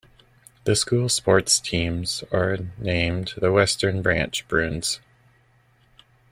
The school's sports teams are named the Western Branch Bruins.